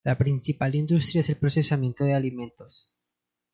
La principal industria es el procesamiento de alimentos.